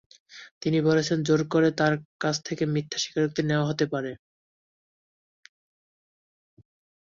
তিনি বলেছেন, জোর করে তাঁর কাছ থেকে মিথ্যা স্বীকারোক্তি নেওয়া হতে পারে।